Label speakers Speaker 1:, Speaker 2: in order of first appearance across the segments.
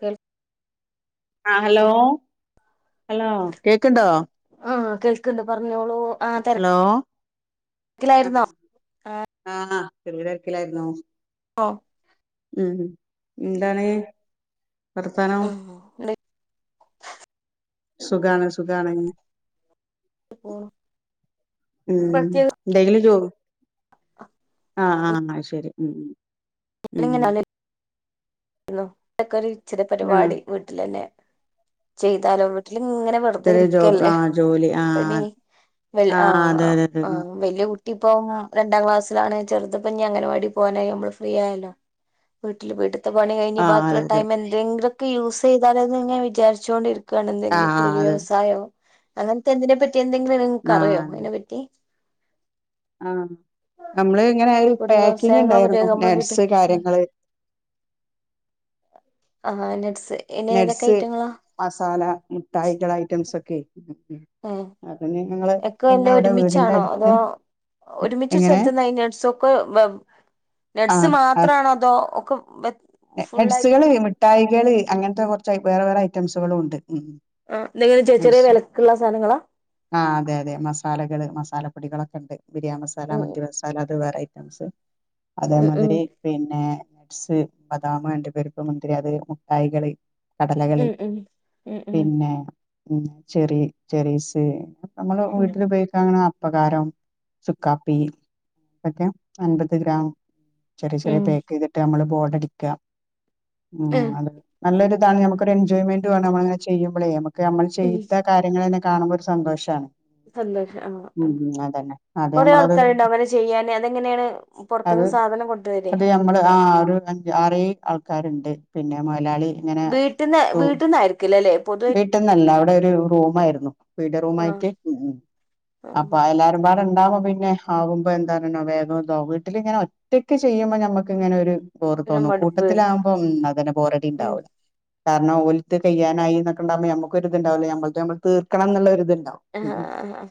Speaker 1: കേൾ
Speaker 2: ആ hello hello കേക്ക്ണ്ടോ
Speaker 1: ആ കേൾക്ക്ണ്ട് പറഞ്ഞോളൂ ആ
Speaker 2: ഹലോ
Speaker 1: തിരക്കിലായിരുന്നോ ആ
Speaker 2: [unintelligible] തെര്ക്കിലായിരുന്നോ
Speaker 1: ഓ
Speaker 2: ഉം ന്താണ്
Speaker 1: ആഹ് [unintelligible]
Speaker 2: സുഖാണ് സുഖാണ്
Speaker 1: [unintelligible]
Speaker 2: ഉം എന്തെങ്കിലും ജോ ആഹ് ആഹ് ശെരി ഉം ഉം ഉം
Speaker 1: [unintelligible] ഇച്ചരെ
Speaker 2: ആഹ്
Speaker 1: പരിപാടി വീട്ടിലന്നെ ചെയ്താലും വി ട്ടില ഇങ്ങനെ വെറുതെ
Speaker 2: ചെറിയ ജോബ്
Speaker 1: ഇരിക്കല്ലേ
Speaker 2: ആഹ് ജോലി
Speaker 1: പനി
Speaker 2: ആഹ്
Speaker 1: ആ
Speaker 2: ആഹ് അതെ അതെ അതെ
Speaker 1: ആ
Speaker 2: ഉം
Speaker 1: വല്യ കുട്ട ട്ടിപ്പോം രണ്ടാം ക്ലാസ്സിലാണ് ചെറുത്തിപ്പോ ഇനി അങ്ങനവാടി പോകാനായി നമ്മള് ഫ്രീ ആയ ലോ വീട്ടില് വീട് ത്താ പണി കയിഞ്ഞ്
Speaker 2: ആഹ്
Speaker 1: ബാക്കിള്ള
Speaker 2: അതെ അതെ
Speaker 1: ടൈം എന്തെങ്കിലും യൂസ് ചെയ്താലോന്ന് ഇങ്ങനെ വിചാരിച്ചൊണ്ടിരി ക്കാണ് എന്തെങ്കി
Speaker 2: ആഹ്
Speaker 1: കുടിൽ
Speaker 2: അതെ
Speaker 1: വ്യവസായോ അങ്ങനെത്തെ എന്തിനെ പ റ്റി എന്തെങ്കിലും നിങ്ങൾക്ക് അറിയോ
Speaker 2: ആഹ്
Speaker 1: അതിനെപ്പറ്റി
Speaker 2: ആഹ് നമ്മള് ഇങ്ങനെ ഒരു
Speaker 1: പൊടി
Speaker 2: പാക്കിങ്
Speaker 1: വ്യവസായങ്ങൾ പൊടി
Speaker 2: ഇണ്ടായിരുന്നു
Speaker 1: നമ്മൾ വീട്ടിൽ
Speaker 2: നട്സ് കാര്യങ്ങള്
Speaker 1: ആഹ് നട്സ് ഇനി ഏതൊക്കെ
Speaker 2: നട്സ്
Speaker 1: ഐറ്റങ്ങളാ
Speaker 2: മസാല മുഠായികൾ ഐറ്റംസ് ഒക്കെയെ ഉം
Speaker 1: ഏ
Speaker 2: അതന്നെ
Speaker 1: ഒക്കെ വരുന്നേ ഒരുമിച്ചാണോ അതോ ഒരുമിച്ചൊരു
Speaker 2: എങ്ങനെ
Speaker 1: സ്ഥലത്തന്ന് നട്സ്സൊക്കെ നട്സ് മാത്രാണോ അതോ ഒക്കെ ബ
Speaker 2: നട്സ്സുകള് മിഠായി കള് അങ്ങനെത്തെ കുറച്ച് വേറെ വേറെ ഐറ്റംസുകളും ഉണ്ട് ഉം
Speaker 1: ആ എന്തെങ്കിലും ചെറിയ ചെറിയ വിലക്കുള്ള സാധനങ്ങളാ
Speaker 2: ആ അതെ അതെ മസാലകൾ മസാലപ്പൊടികളൊ അതെ ബിരിയാണി മസാല
Speaker 1: ഉം
Speaker 2: മന്തി മസാല അത് വേറെ [unintelligible]
Speaker 1: ഉം
Speaker 2: അതേമാതിരി പിന്നെ സ് ബദാമ്, അണ്ടിപരിപ്പ്, മുന്തിരി അത് മുട്ടായികള് കടലകള്
Speaker 1: ഉം ഉം ഉം ഉം
Speaker 2: പിന്നെ ഉം ചെറി, ചെറീസ് നമ്മളെ
Speaker 1: ഉം
Speaker 2: വീട്ടില് [unintelligible] പകാരം, ചുക്കാപ്പി എല്ലാം അൻപത് ഗ്രാം ചെറിയ ചെറിയ
Speaker 1: ഉം
Speaker 2: പാക്ക് ചെയ്‌തിട്ട് നമ്മള് ബോഡടി ക്കാ ഉം അത് നല്ലൊരു ഇതാണ് നമുക്ക് ഒരു എൻജോയ്മെന്റും ആണ് നമ്മളങ്ങനെ ചെയ്യുമ്പളേ നമ്മ ക്ക് നമ്മൾ
Speaker 1: ഉം
Speaker 2: ചെയ്ത കാര്യങ്ങളന്നെ കാണുമ്പോ ഒരു സന്തോഷാണ്.
Speaker 1: സന്തോഷാണ്
Speaker 2: ഉം ഉം അതന്നെ അത്
Speaker 1: കൊറേ
Speaker 2: നമ്മളത്
Speaker 1: ആൾക്കാരുണ്ട് അങ്ങനെ ചെയ്യാന് അതെങ്ങനെയാണ്
Speaker 2: അത്
Speaker 1: പൊറത്തിന്ന് സാധനം കൊണ്ടുവരെ?
Speaker 2: അത് നമ്മള് ആ ഒരു അഞ്ച് ആറേഴ് ആൾക്കാരുണ്ട് പിന്നെ മൊതലാളി
Speaker 1: വീട്ടിന്ന് വീട്ടിന്ന് അയക്കില്ലല്ലേ?
Speaker 2: വീട്ടിന്നല്ല അവിടെ ഒരു റൂം ആയിരുന്നു പീടിയാ
Speaker 1: ആഹ്
Speaker 2: റൂമായിട്ട് അപ്പോ എല്ലാരും വേറെണ്ടാവുമ്പോപിന്നെ ആവുമ്പോ എന്താ പിന്നെ വേഗം ദാവും വീട്ടിലിങ്ങനെ ഒറ്റക്ക് ചെയ്യുമ്പോ നമ്മക്കിങ്ങനെ ഒര്
Speaker 1: ഒരു
Speaker 2: ബോറ്തോന്നും
Speaker 1: മടുപ്പ്
Speaker 2: കൂട്ടത്തിലാകുമ്പം അതെന്നെ ബോറടി
Speaker 1: ഉം
Speaker 2: ഇണ്ടാവൂല കാരണം ഓല്ത് കഴിയാനയിന്ന് ഇത് ഇണ്ടാവുമ്പോ നമ്മക്കു ഒരിത് ഇണ്ടാവൂലേ നമ്മള്ത് നമ്മക്ക് തീർക്കണംന്നുള്ളൊര്ത്
Speaker 1: എ എഹേ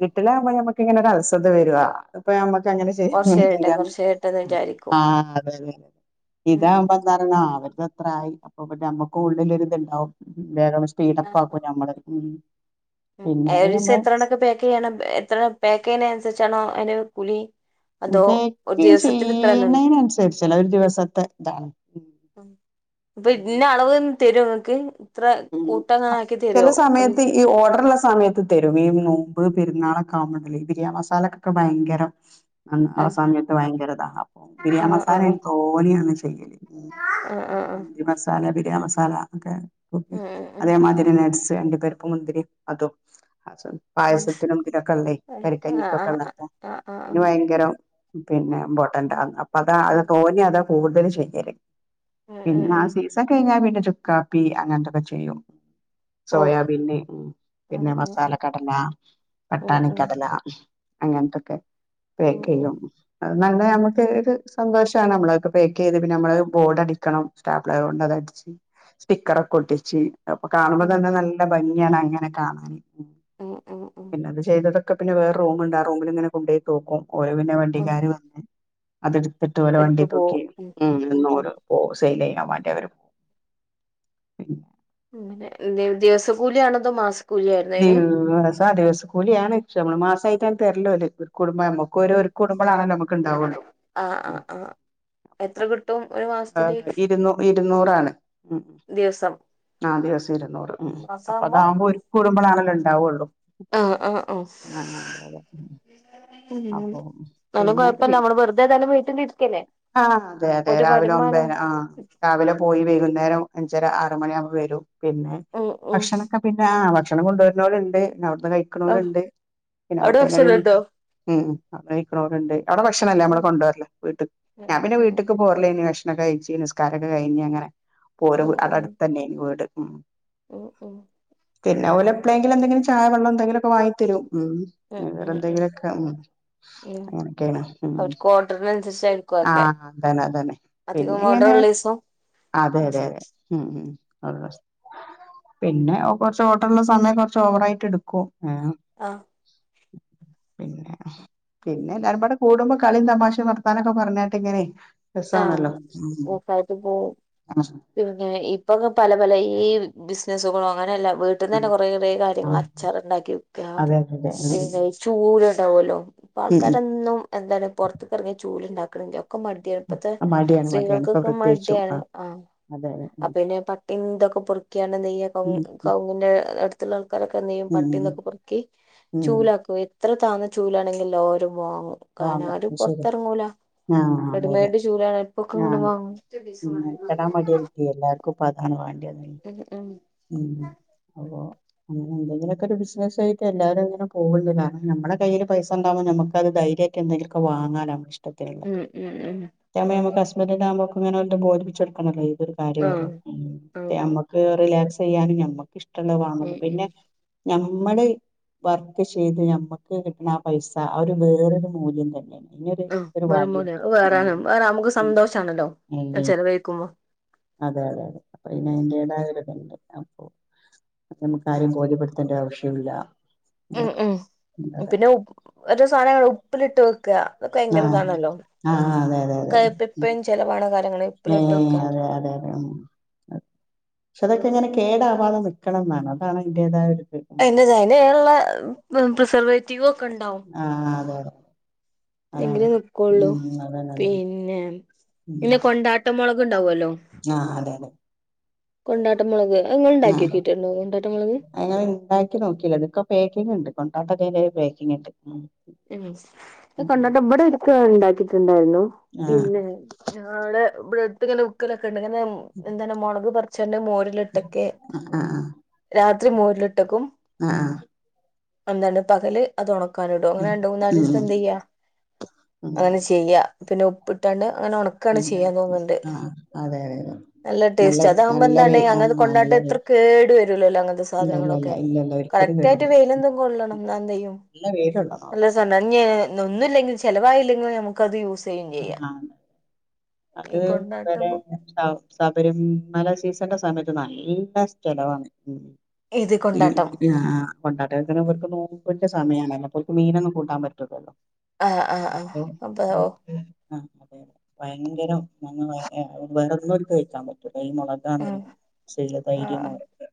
Speaker 2: വീട്ടിലാവുമ്പോ നമ്മക്കിങ്ങനെ ഒരു അശ്രദവരുവാ അതിപ്പോ നമ്മക്ക് ങ്ങനെ
Speaker 1: കൊറച്ച്
Speaker 2: ചെയ്യ
Speaker 1: കഴിയട്ടെ കൊറച്ച് കഴിയട്ടെന്ന് വിചാരിക്കും ഉം ഉം
Speaker 2: ഇത്രായി അപ്പോപ്പിന്നെ നമ്മക്കും ഉള്ളിൽ ഒരിത് ഉണ്ടാവും [unintelligible]
Speaker 1: ആഹ്
Speaker 2: സ്പീഡപ്പാക്കും നമ്മള് മ്
Speaker 1: ഒരു ദിവസം എത്രഎണ്ണമൊക്കെ പാക്ക് ചെയ്യണം എത്ര പാക്ക് ചെയ്യണതിന് അനുസരിച്ചാണോ ഹലോ കുലി
Speaker 2: ഇത്
Speaker 1: എന്നല്ലേ
Speaker 2: ചെയ്ണെൻ അനുസരിച്ചാണ് ഒരു ദിവസത്തെ
Speaker 1: ഇപ്പൊ ഇതിന് അളവ് ഒന്ന് തരു തരുങ്ങക്ക്
Speaker 2: ചില സമയത്ത് ഈ ഓർഡർള്ള സമയത്ത് തരും ഈ നോമ്പ് പെരുന്നാളൊക്കെ ആവുമ്പോല്ലേ ബിരിയാണി മസാലകക്ക്ഒക്കെ ഭയങ്കരം ആ
Speaker 1: ആഹ്
Speaker 2: സമയത്ത് ഭയങ്കര ഇതാ അപ്പം ബിരിയാണി
Speaker 1: ആഹ്
Speaker 2: മസാല
Speaker 1: ആഹ്
Speaker 2: തോനെ തയ്യല്
Speaker 1: ആഹ്
Speaker 2: [inaudible] മന്തി മസാല ബിരിയാണി മസാ അ കെ
Speaker 1: ആഹ് ആഹ്
Speaker 2: അതേ മാതിരി നെക്സ്റ്റ് പേർക്കും മുന്തിരിയും അതും
Speaker 1: ഉം ഉം
Speaker 2: പായസത്തിനും ഇതിനൊക്കെയല്ലേ
Speaker 1: ആഹ് ആഹ്
Speaker 2: കരിക്കഞ്ഞിക്കൊക്കെ ഉള്ള അപ്പം
Speaker 1: ആഹ് ആഹ്
Speaker 2: അതിന്
Speaker 1: ആഹ്
Speaker 2: ഭയങ്കരം പിന്നെ [unintelligible] അതാ അത്
Speaker 1: ഉം
Speaker 2: തോന്നെയതാ കൂടുതൽ ചെയ്യല്
Speaker 1: ഉം ഉം
Speaker 2: പിന്നെ ആ
Speaker 1: ഉം
Speaker 2: സീസൻ കഴിഞ്ഞാ പിന്നെ ചുക്കാപ്പി അങ്ങനത്തൊക്കെ ചെയ്യും
Speaker 1: ഓഹ്
Speaker 2: സോയാബീന്
Speaker 1: ഉം
Speaker 2: പിന്നെ
Speaker 1: ഉം
Speaker 2: മസാല കടല
Speaker 1: ഉം
Speaker 2: പട്ടാണിക്കടല അങ്ങനത്തൊക്കെ
Speaker 1: ഉം ഉം
Speaker 2: പേക്ക്
Speaker 1: ഉം
Speaker 2: ചെയ്യും അ നല്ല
Speaker 1: ഉം
Speaker 2: നമുക്ക് ഒരു സന്തോഷമാണ് നമ്മളൊക്കെ പേക്ക് ചെയ്ത് പിന്നെ നമ്മള് ബോർഡ് അടിക്കണം സ്റ്റാപിള കൊണ്ട് അതടിച്ച് സ്റ്റിക്കറക്കെ ഒട്ടിച് അപ്പൊ കാണുമ്പോ
Speaker 1: ഉം
Speaker 2: തന്നെ നല്ല ഭംഗി [unintelligible] അങ്ങനെ കാണാന്
Speaker 1: ഉം ഉം ഉം ഉം
Speaker 2: പിന്നെ അത് ചെയ്തത് ഇപ്പം പിന്നേ വേറെ റൂമ്ണ്ട് ആ റുമിൽ ഇങ്ങനെ കൊണ്ടോയി തൂക്കും ഓല് പിന്നെ
Speaker 1: ഉം
Speaker 2: വണ്ടികാര് വന്ന് അതെട് ത്ത്ട്ട് ഓലെ വണ്ടി
Speaker 1: എടുത്തു
Speaker 2: തൊക്കെ
Speaker 1: പോവും
Speaker 2: ഉം ഓരോ ഓസെല് ചെയ്യും മറ്റവരും ഉം
Speaker 1: ദി ദിവസ കൂലിയാണഅതോ മാസ
Speaker 2: ദിവസാ ആ ദിവസ കൂലിയാണ് പക്ഷെ നമ്മള് മാസ കയ്കാണ്ട് തര്ല ഓല് വര്കും കുടുംബാ നമുക്ക് ഒരു ഒരുക്കൂടുമ്പളാണല്ലോ നമ്മക്ക് ഇണ്ടാവൊള്ളൂ
Speaker 1: ആഹ് ആഹ് ആഹ് എത്ര കിട്ടും ഒരു മാസത്തില്
Speaker 2: ഇരുന്നൂ ഇരുന്നൂറാണ് ഉം
Speaker 1: ദിവസം
Speaker 2: ആ ദിവസം ഇര്ന്നൂറ് ഉം
Speaker 1: മാസാവുമ്പോ
Speaker 2: അപ്പതാവുമ്പ ഒര്ക്കൂടുമ്പളാണല്ലോ ൺ ഉണ്ടാവുള്ളു
Speaker 1: ആ ആ ആ
Speaker 2: അതെ
Speaker 1: അങ്ങനെ
Speaker 2: അപ്പൊ പിന്നെ
Speaker 1: കൊഴപ്പമില്ല നമ്മള് വെറുതെ ഏതായാലും വീട്ടിലിരിക്കല്ലേ ഒരുപാട്
Speaker 2: ഒമ്പതര ആ രാവിലെ പോയി വൈകുന്നേരം അഞ്ചര ആറുമണിയാകുമ്പം വരും പിന്നെ
Speaker 1: ഉം ഉം
Speaker 2: ഭക്ഷണൊക്കെ പിന്നെ ആ ഭക്ഷ ഭക്ഷണം കൊണ്ടുവരുന്നോരുണ്ട് പിന്നെ അവിടുന്ന്
Speaker 1: ആഹ്
Speaker 2: കഴിക്കണോരുണ്ട് പിന്നെ
Speaker 1: അവിടെ
Speaker 2: നമ്മക്ക് അയിനൊരു
Speaker 1: ഭക്ഷണണ്ടോ
Speaker 2: ഉം അവിടെ നിക്കണോരുണ്ട് അവിടെ ഭക്ഷണമില്ല നമ്മള്
Speaker 1: ഉം
Speaker 2: കൊണ്ടോരല് വീട്ടീന്ന്
Speaker 1: ഉം
Speaker 2: ഞാൻ പിന്നെ
Speaker 1: ഉം
Speaker 2: വീട്ടക്ക് പോരല് തന്നെയാ കഴിച്ച് നിസ്കാരവൊക്കെ കഴിഞ്ഞ് അങ്ങനെ [unintelligible]
Speaker 1: ഉം ഉം
Speaker 2: അവിടെ അടുത്ത് തന്നെ ആയിരുന്നു വീട് ഉം
Speaker 1: ഉം ഉം
Speaker 2: പിന്നവള് എപ്പളെങ്കിലും എന്തെങ്കിലും ചായ വെള്ളം എന്തെങ്കിലുമൊക്കെ വാങ്ങി തരും ഉം വേറെ
Speaker 1: ഉം ഉം
Speaker 2: എന്തെങ്കിലുമൊക്കെ ഉം
Speaker 1: ഉം
Speaker 2: അങ്ങനെയൊക്കെയാണ് ഉം
Speaker 1: അവർക്ക് ഓർഡറിനനുസരിച്ചായിരിക്കും
Speaker 2: ആ
Speaker 1: ഒക്കെ
Speaker 2: അത് തന്നെ അത് തന്നെ
Speaker 1: അധികം മോഡലുള്ള ദിവസം
Speaker 2: അതെ അതെ [unintelligible] പിന്നെ കുറച്ച് ഓട്ടള്ള സമയം കൊറച്ച് ഓവറായിട്ട് എടുക്കും ആഹ്
Speaker 1: ആഹ്
Speaker 2: പിന്നെ പിന്നെ എല്ലാരുമ്പാടെ കൂടുമ്പോക കളിയും തമാശയും വർത്താനൊക്കെ പറഞ്ഞട്ട് ഇങ്ങനെ രസാണല്ലോ
Speaker 1: [unintelligible]
Speaker 2: ഉം
Speaker 1: പോം
Speaker 2: ആ
Speaker 1: പിന്നെ ഇപ്പൊ പല പല ഈ ബിസ്സ്നസ്സുകളും അങ്ങനെ എല്ലാം വീട്ടിന്ന് തന്നെ കൊറെ കുറേ
Speaker 2: ആ ആ
Speaker 1: കാര്യങ്ങൾ അച്ചാറ ണ്ടാക്കി വിക്ക
Speaker 2: അതെ അതെ അതെ ഉം
Speaker 1: പിന്നെ ചൂട് ട്ടാവോലോ ഇപ്പൊ
Speaker 2: ഉം
Speaker 1: ആൾക്കാരൊന്നും എന്താണ് പൊറുത്തക്ക് ഇറങ്ങിയ ചൂല് ഇണ്ടാ [unintelligible] ഇപ്പത്തെ
Speaker 2: ഉം മടിയാണ് മടിയാണ് ഇപ്പൊ
Speaker 1: സ്ത്രീകൾക്കൊക്കെ
Speaker 2: പ്രത്യേകിച്ചും
Speaker 1: മടിയാണ് ആ
Speaker 2: അതെ അതെ ഉം
Speaker 1: പിന്നെ പട്ടിന്തൊക്കെ [unintelligible] ണ് നെയ്യ
Speaker 2: ഉം
Speaker 1: കൗങ്ങിന്റെ അടുത്തുള്ള ആൾക്കാരൊക്കെ നെയ്യും
Speaker 2: ഉം
Speaker 1: പട്ടീന്തൊക്കെ
Speaker 2: ഉം
Speaker 1: പെറുക്കി
Speaker 2: ഉം
Speaker 1: ചൂലാക്കുകയു എത്ര താന്ന ചൂലാണെങ്കില്ലാരും വാങ്ങും കരണ
Speaker 2: വാങ്ങും
Speaker 1: ആരും
Speaker 2: അത് ശരി
Speaker 1: പൊറത്തെറങ്ങൂല റെഡമഡ്
Speaker 2: ആഹ പിന്നെ കടാ മട്യാരിക്കും എല്ലാർക്കുംപ്പതാണ് വാണ്ട്യ
Speaker 1: ഉം ഉം
Speaker 2: ഉം അതാ അങ്ങനെ എന്തെങ്കിലാെക്കെര് ബിസ്നസു ആയിട്ട് എല്ലാരും അങ്ങനെ പോക്ണ്ട് കാരണം ഞമ്മളെ കയ്യില് പൈസണ്ടാവുമ്പ ഞമ്മക്കത് ധൈര്യായിട്ട് എന്തെങ്കിലാെക്കെ വാങ്ങാലോ
Speaker 1: ഉം ഉം ഉം
Speaker 2: [unintelligible] താവുമ്പ ഞമ്മക്കസ്- - [unintelligible] ഓൽക്ക്ങ്ങനെ ആട്ട് ബോധ്പ്പിച്ചൊട്ക്കണല്ലത് ത് ഒരു
Speaker 1: ആഹ്
Speaker 2: കാര്യായല്ലോ ഉം
Speaker 1: ആഹ്
Speaker 2: ത്‌ യമ്മക്ക് റിലാക്സ് ചെയ്യാനും ഞമ്മ ക്ക്ഷ്ടള്ളെ
Speaker 1: ഉം
Speaker 2: വാങ്ങല്ലോ
Speaker 1: ഉം
Speaker 2: പിന്നെ ഞ മ്മള് വർക്ക് ചെയ്ത് ഞമ്മക്ക് കിട്ട്ണ ആ പൈസ ആ ഒരു വേറൊരു മൂല്യം തന്നേണ്
Speaker 1: ആ പറിംപോലെ അത് വേറേണ് അല നമുക്ക്
Speaker 2: ഉം
Speaker 1: സന്തോഷാണല്ലോ അത്
Speaker 2: അല്ലേ
Speaker 1: ചെലവഴിക്കുമ്പോ
Speaker 2: അതെ അതെ അതെ അപ്പൊ അതിന് [unintelligible] അപ്പൊ നമുക്ക് ആരേം ബോധ്യപ്പെട്ത്തെണ്ടെ ആവശ്യൂല്ല
Speaker 1: ഉം ഉം പിന്നെ ഉ അത് സാനങ്ങള് ഉപ്പ്ല്ട്ട് വെക്കാ
Speaker 2: ആഹ് ആ അതെ അതെ അതെ
Speaker 1: ഒക്കെ എപ്പഴും ചെലവാണ് കാര്യങ്ങള്
Speaker 2: ഏ
Speaker 1: ഉപ്പിലിട്ട് വെക്കുക
Speaker 2: അതെ അതെ അതെ ക്ഷേ അതെ ഇത് ഇങ്ങനെ കേടാവാതെ നിക്കണംന്നാണ് അതാണ് അയ്ന്റേതായൊര്
Speaker 1: എന്റെ [unintelligible] പ്രിസർവേ [unintelligible]
Speaker 2: ആഹ് അതെ അതെ
Speaker 1: എങ്കിലേ നിക്കുള്ളൂ
Speaker 2: അതെ അതാണ് ഉം അതന്നെ അതന്നെ
Speaker 1: പിന്നെ
Speaker 2: ഉം
Speaker 1: ഇങ്ങെ കൊണ്ടാട്ട മൊള ഉണ്ടാവുവല്ലോ
Speaker 2: ആഹ് അതെ അതെ
Speaker 1: കൊണ്ടാട്ട മുളക് അത് ഇങ്ങള്
Speaker 2: ആ
Speaker 1: ഉണ്ടാക്കി നോക്കിട്ടുണ്ടോ കൊണ്ടാട്ട മുളക്
Speaker 2: അങ്ങനെ ഉണ്ടാക്കി നോക്കില്ലോ ഇതൊക്കെ പാക്കിങ് ഉണ്ട് [unintelligible] [unintelligible]
Speaker 1: ഉം ഈ കൊണ്ടാട്ടം ഇവിടെ ഇടക്ക് ഇണ്ടാക്കിട്ടുണ്ടായിരുന്നു
Speaker 2: ആഹ്
Speaker 1: പിന്നെ [unintelligible] [unintelligible] [unintelligible] ഇങ്ങനെ എന്താണ് മുളക് [unintelligible] [unintelligible] മോരിലിട്ടൊക്കെ രാ ഒത്തിരി മോരിലിട്ടെക്കും
Speaker 2: അ ആ
Speaker 1: എന്താണ് പകല് അത് ഉണക്കാൻ ടോ അങ്ങനെ
Speaker 2: ഉം
Speaker 1: രണ്ട് മൂന്നാല്
Speaker 2: ഉം
Speaker 1: ദിവസം എന്തെയ്യാ
Speaker 2: ഉം
Speaker 1: അങ്ങനെ ചെയ്യാ പിന്നെ ഉപ്പിട്ടാണ് അങ്ങനെ ഒണക്കാണ്
Speaker 2: ഉം
Speaker 1: ചെയ്യ തോന്ന്ണ്ട്
Speaker 2: ആഹ് അതെ അതെ അതെ
Speaker 1: നല്ല ടേസ്റ്റ് അതാകുമ്പോ
Speaker 2: നല്ല വെ
Speaker 1: എന്താണ് അങ്ങനെ
Speaker 2: ആഹ്
Speaker 1: കൊണ്ടാട്ട്
Speaker 2: നല്ല വെ
Speaker 1: എത്ര കേടു വരുല്ലല്ലോ അങ്ങനത്തെ
Speaker 2: ഇല്ലല്ലല്ല
Speaker 1: സാധനങ്ങളൊക്കെ
Speaker 2: ഇല്ലല്ല ഒരിക്കലും
Speaker 1: കറക്റ്റ് ആയിട്ട്
Speaker 2: കേടില്ല
Speaker 1: വെയിലും തും കൊള്ളണം
Speaker 2: നല്ല വെയിലുള്ളതാ
Speaker 1: [unintelligible] [unintelligible]
Speaker 2: അത്
Speaker 1: ഒന്നുല്ലെങ്കിലും ചിലവായില്ലെങ്കിലും നമുക്കത് യൂ
Speaker 2: ആ അത്
Speaker 1: ഈ
Speaker 2: വരെ
Speaker 1: കൊണ്ടാട്ടം
Speaker 2: ശ ശബരിമല സീസൻ്റെ സമയത്ത് നല്ല ചലവാ
Speaker 1: ഇത്
Speaker 2: ഇ
Speaker 1: കൊണ്ടാട്ടം
Speaker 2: ആ കൊണ്ടാട്ട ങ്ങനെവർക്ക് നോ [unintelligible] സമയണല്ലോ പൊൽക്ക് മീനൊന്നും കൂട്ടാം പറ്റൂലല്ലോ
Speaker 1: ആഹ് ആഹ് ആഹ് അപ്പൊ ഓ
Speaker 2: [unintelligible] ഭയങ്കരം [unintelligible] [unintelligible] ഈ മൊളകാണ്
Speaker 1: ഉം
Speaker 2: ശീലം തൈര്
Speaker 1: ആഹ്
Speaker 2: മോരൊക്കെ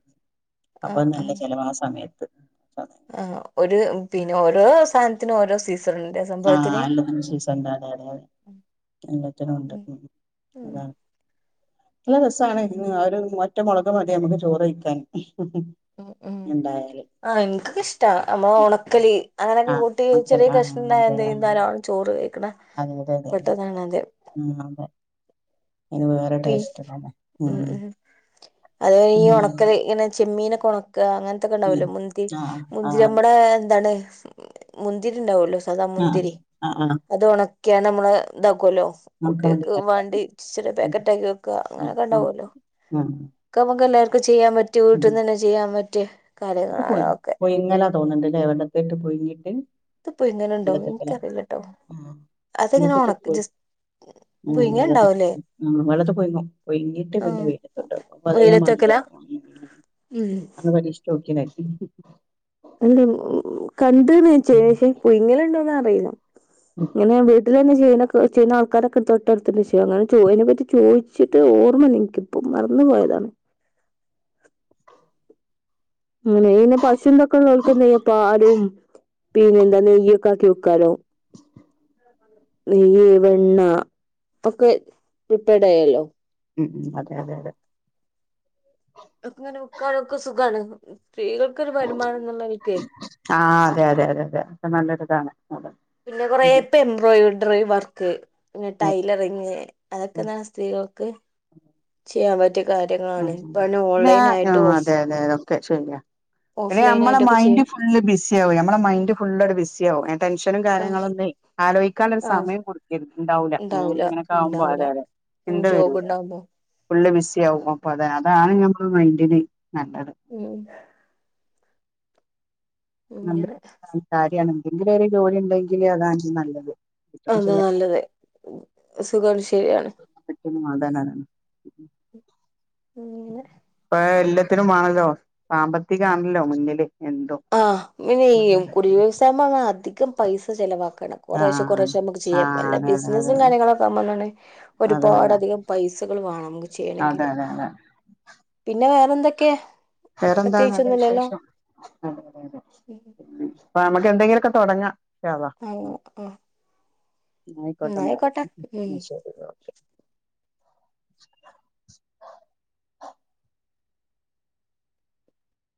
Speaker 2: അപ്പൊ നല്ല ചെലവാ ആ സമയ
Speaker 1: ആ ഒരു പിന്നെ ഓരോ സ [unintelligible] നോരോ സീ
Speaker 2: ആഹ് എല്ലത്ത്നും സീസണ്ട് അതെ അതെ എല്ലത്തിനുണ്ട്
Speaker 1: ഉം
Speaker 2: [inaudible]
Speaker 1: ഉം
Speaker 2: അതാണ് ല്ല രസാണ് [unintelligible] ഒറ്റ മൊളക് മതി നമുക്ക് ചോറെയ്ക്കാൻ
Speaker 1: ഉ ഉം ആ ഇൻക്കിഷ്ടാ നമ്മളെ ഒണക്കല് അങ്ങനൊക്കെ
Speaker 2: ആഹ്
Speaker 1: കൂട്ടി
Speaker 2: മക്കൾ
Speaker 1: ചെറിയൊരു കഷ്ണണ്ടായാ [unintelligible] ചോറ് വെയ്ക്ക്ണ
Speaker 2: അതെയതെതെ ഉം അതെ അയിന് വേറെ
Speaker 1: പി
Speaker 2: ടേസ്റ്റ് തന്നെ
Speaker 1: ഉം ഉം അത് ഈ
Speaker 2: ഉം
Speaker 1: ഒണക്കല് ങ്ങനെ ചെമ്മീനൊ [inaudible] അങ്ങൻത്തൊക്കെണ്ടാവല്ലോ മുന്തി
Speaker 2: ആഹ് ആഹ്
Speaker 1: മുന്തിരി
Speaker 2: അതെ
Speaker 1: മ്മടെ ന്താണ് മുന്തിരിണ്ടാവല്ലോ താ
Speaker 2: ആഹ്
Speaker 1: മുന്തിരി
Speaker 2: ആഹ് ആഹ്
Speaker 1: അത് ഒണക് ക്കെയാണ് മ്മള് ദം കി ല്ലോ കുട്ട്യൾക്ക് വാണ്ടി ചെല
Speaker 2: ഉം
Speaker 1: പാക്കറ്റ് കൊ തൊക്കെ
Speaker 2: ആഹ്
Speaker 1: അങ്ങനൊക്കെണ്ടാവല്ലോ
Speaker 2: ആഹ്
Speaker 1: ക്കമ്മക്ക് എല്ലാർക്കു ഷ്ട ചെയ്യാം പറ്റി
Speaker 2: ഉം
Speaker 1: വീട്ടിന്നെന്നെ ചെയ്യാം പ റ്റ
Speaker 2: അത് പുയി പോയിങ്ങല തോന്നുന്നുണ്ടിങ്കിഎവിടെക്കെയിട്ട് പുഴുങ്ങീട്ട് [unintelligible]
Speaker 1: ഇതിപ്പോ ഇങ്ങനെ ഉണ്ടോ
Speaker 2: അ
Speaker 1: എനിക്കറിയില്ലട്ടോ അതെങ്ങനെ ഉണക്ക ജസ്റ്റ് പുഴുങ്ങ ഉണ്ടാവൂലേ ആഹ്
Speaker 2: അതേ
Speaker 1: വെയിലത്ത്
Speaker 2: മാതിരിയാ
Speaker 1: വെക്കലാ ഉം
Speaker 2: [unintelligible]
Speaker 1: അല്ലെ [inaudible] കണ്ടെന്ന് വച്ചേ
Speaker 2: ഉം
Speaker 1: ഏഹേ പയിങ്ങലുണ്ടോന്ന് അറിയി ഇങ്ങനെ ഞാൻ വീട്ടിലിപ്പം [unintelligible] ചെയ്യുന്ന ആൾക്കാരൊക്കെ തൊട്ടടുത്തിണ്ട് ക്ഷേ അങ്ങനെ അയിനെപ്പറ്റി ചോയിച്ചിട്ട് ഓർമ്മയില്ലപ്പം മറന്ന് പോയതാണ് അങ്ങനെ ഇനെ പശുനെയെക്കെ നോക്കുന്നെയിപ്പം പാലും പിന്നെ എന്താ നെയ്യൊക്കെ ആക്കി വെക്കാനോ നെയ്യ് വെണ്ണ ഒക്കെ പ്രിപ്പേഡേ അല്ലേ?
Speaker 2: മ് അതെ അതെ അതെ
Speaker 1: അങ്ങനെ ഉക്കാളൊക്കെ സുഖാണ് സ്ത്രീകൾക്കൊരു വരുമാനം എന്നുള്ള നിലക്കേ
Speaker 2: ആ അതെ അതെ അതെ അത് നല്ലൊരിതാണ് അതെ
Speaker 1: പിന്നെ കോറെ
Speaker 2: ഉം
Speaker 1: [unintelligible] ഡ്രൈ വർക്ക് പിന്നെ
Speaker 2: ആ,
Speaker 1: ടൈലറിങ്
Speaker 2: ആ.
Speaker 1: അതൊക്കൊയെന്താണ് സ്ത്രീകൾക്ക് യബ്ബൻ
Speaker 2: ആ പിന്നെ ആ ആ
Speaker 1: ഓഫ്
Speaker 2: അതെ അതെ അതൊക്കെ ശരിയാ എടി
Speaker 1: ഓഫ്‌ലൈൻ
Speaker 2: ഞമ്മളെ
Speaker 1: ആയിട്ടൊക്കെ
Speaker 2: മൈൻഡ്
Speaker 1: ചെയ്യും
Speaker 2: ഫുള്ള് ബിസി ആവും ഞമ്മളെ മൈൻഡ് ഫുള്ളോട് ബിസി ആവും ടെൻഷനും
Speaker 1: ആ
Speaker 2: കാര്യങ്ങളും ഒന്നേ ആലോചിക്കാൻ ഒരു
Speaker 1: ആ
Speaker 2: സമയം കൊടുക്കേ ഇണ്ടാവൂല മ്
Speaker 1: ഉണ്ടാവൂല
Speaker 2: ഇങ്ങനൊക്കെ ആകുമ്പോ
Speaker 1: ഉണ്ടാവൂല
Speaker 2: ല്ലേ അതെ ണ്ട
Speaker 1: ജോബ്
Speaker 2: വരൂല
Speaker 1: ഉണ്ടാവുമ്പോ
Speaker 2: ഫുള്ള് ബിസി ആകുമോ അപ്പ അതെ അതാണ് ഞമ്മളെ മൈന്റില്
Speaker 1: മ്
Speaker 2: നമ്പര് [inaudible] ത്താൽ കാരിയാണ് ഇങ്ങനെ ഒരു ജോലി ഉണ്ടെങ്കില് അതാൻക്ക് നല്ലത് ഏറ്റവും
Speaker 1: അതാ
Speaker 2: ചെയ്യാൻ
Speaker 1: നല്ലത് സുഖാണ് ശെരിയാണ്
Speaker 2: മ് അതാണ് [unintelligible]
Speaker 1: അങ്ങനെ
Speaker 2: പ്പാ അല്ല ത്തിനും മാണല്ലോ സാമ്പത്തികാണല്ലോ മുന്നില് എന്തും
Speaker 1: ആഹ് പിന്നെ ഈ കുടിൽ വ്യവസായ മങ്ങ് അധികം പൈസ ചെലവാ ക്ണ. കൊറേശെ കുറേശെ
Speaker 2: ആഹ്
Speaker 1: നമുക്ക് ചെയ്യാം
Speaker 2: ആഹ്
Speaker 1: വല്ല
Speaker 2: അതെ അതെ അതെ
Speaker 1: ബിസിനസും കാര്യങ്ങളൊക്കാവുമ്പന്താണ്
Speaker 2: അതെ അതെ
Speaker 1: ഒരുപാട് അധികം പൈസകൾ വേണം നമുക്ക്
Speaker 2: അതെ
Speaker 1: ചെയ്യെണെങ്കില്
Speaker 2: അതെ അതെ
Speaker 1: പിന്നെ വേ എന്തൊക്കെയാ
Speaker 2: വേറെന്താ നല്ല വിശേഷം
Speaker 1: ഉം
Speaker 2: [unintelligible] നമ്മക്ക് എന്തെങ്കിലൊക്കെ തുടങ്ങാം ഇൻശാ അള്ളാ ഉം
Speaker 1: ആഹ് ആഹ്
Speaker 2: ആയിക്കോട്ടേ എന്നാല്
Speaker 1: എന്നായിക്കോട്ടെ ഉം
Speaker 2: ശരി ഓകെ